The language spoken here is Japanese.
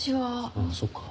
ああそうか。